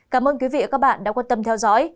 cảm ơn quý vị và các bạn đã quan tâm theo dõi